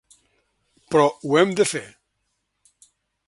Però ho hem de fer.